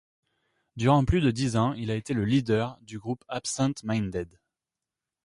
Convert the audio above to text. Durant plus de dix ans, il a été le leader du groupe Absynthe Minded.